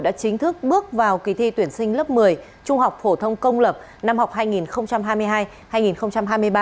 đã chính thức bước vào kỳ thi tuyển sinh lớp một mươi trung học phổ thông công lập năm học hai nghìn hai mươi hai hai nghìn hai mươi ba